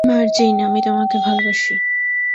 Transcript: মার্জেইন, আমি তোমাকে ভালোবাসি!